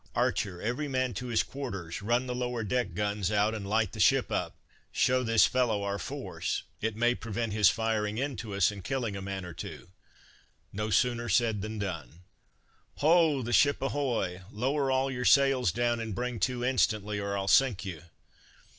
"Archer, every man to his quarters! run the lower deck guns out, and light the ship up; show this fellow our force; it may prevent his firing into us and killing a man or two." No sooner said than done. "Hoa, the ship ahoy, lower all your sails down, and bring to instantly, or I'll sink you."